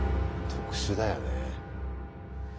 特殊だよね。